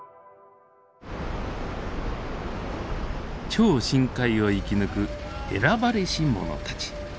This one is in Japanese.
超深海を生き抜く選ばれしものたち。